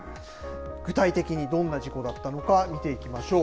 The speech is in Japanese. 具体的にどんな事故だったのか見ていきましょう。